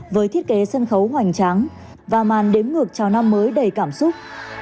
với thiết kế sân khấu hoành tráng và màn đếm ngược chào năm mới đầy cảm xúc